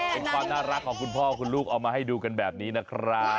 เป็นความน่ารักของคุณพ่อคุณลูกเอามาให้ดูกันแบบนี้นะครับ